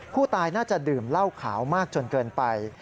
ผู้ตายน่าจะดื่มเหล้าขาวมากจนเกินไป